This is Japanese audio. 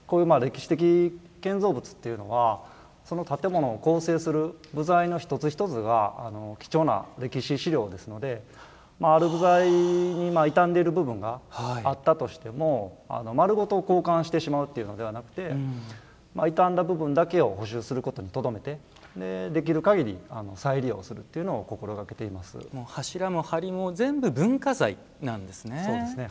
こういう歴史的建造物というのはその建物を構成する部材の一つ一つが貴重な歴史資料ですのである部材に傷んでいる部分があったとしても丸ごと交換してしまうというのではなくて傷んだ部分だけを補修することにとどめてできるかぎり再利用する柱もはりも全部文化財なんですね。